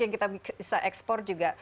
yang kita bisa ekspor juga